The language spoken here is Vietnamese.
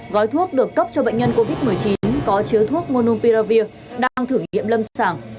gói thuốc được cấp cho bệnh nhân covid một mươi chín có chứa thuốc monumpiravir đang thử nghiệm lâm sàng